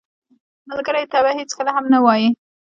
ملګری ته به هېڅکله هم نه وایې